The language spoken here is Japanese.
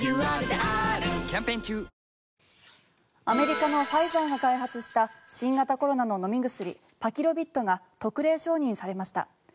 アメリカのファイザーが開発した新型コロナの飲み薬パキロビッドが特例承認されました。